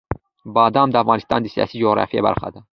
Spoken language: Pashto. بادام د افغانستان د سیاسي جغرافیه برخه ده.